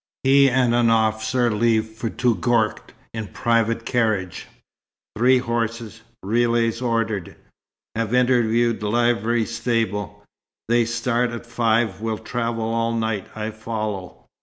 "He and an officer leave for Touggourt in private carriage three horses relays ordered. Have interviewed livery stable. They start at five will travel all night. I follow."